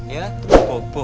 ya terus bobo